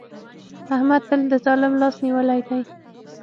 احمد تل د ظالم لاس نيولی دی.